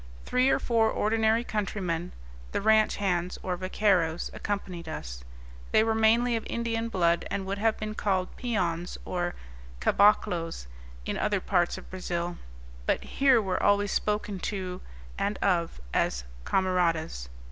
Three or four ordinary countrymen, the ranch hands, or vaqueiros, accompanied us; they were mainly of Indian blood, and would have been called peons, or caboclos, in other parts of Brazil, but here were always spoken to and of as "camaradas."